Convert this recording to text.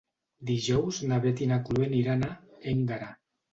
Dijous na Beth i na Chloé aniran a Énguera.